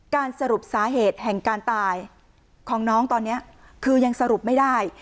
สรุปสาเหตุแห่งการตายของน้องตอนนี้คือยังสรุปไม่ได้